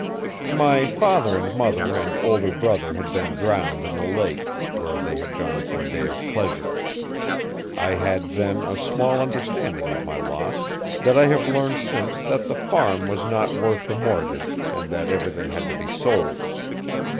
My father and mother and older brother had been drowned in the lake, where they had gone for a day of pleasure. I had then a small understanding of my loss, hat I have learned since that the farm was not worth the mortgage and that everything had to be sold.